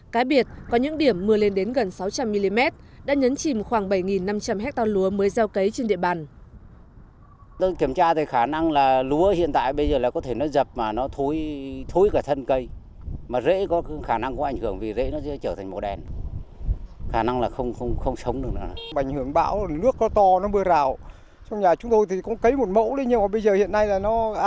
cái biệt có những điểm mưa lên đến gần sáu trăm linh mm đã nhấn chìm khoảng bảy năm trăm linh hecta lúa mới gieo cấy trên địa bàn